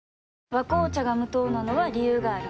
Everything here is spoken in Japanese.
「和紅茶」が無糖なのは、理由があるんよ。